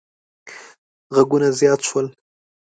غږونه زیات شول.